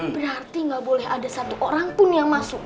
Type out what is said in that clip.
berarti nggak boleh ada satu orang pun yang masuk